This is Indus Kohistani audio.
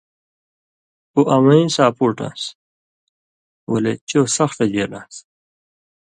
اُو امَیں ساپُوٹ آن٘س ولےچو سخ شژېل آن٘س